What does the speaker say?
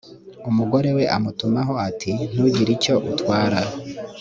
umugore we amutumaho ati ntugire icyo utwara